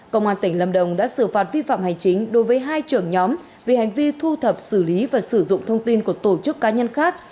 công an tỉnh lâm đồng đã xử phạt vi phạm hành chính đối với hai trưởng nhóm vì hành vi thu thập xử lý và sử dụng thông tin của tổ chức cá nhân khác